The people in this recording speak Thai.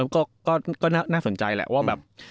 ก็น่าสนใจแหละว่าแบบ